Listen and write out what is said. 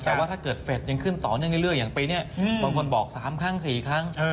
แต่ว่าถ้าเกิดเฟสยังขึ้นต่อเนื่องเรื่อยอย่างปีนี้บางคนบอก๓ครั้ง๔ครั้ง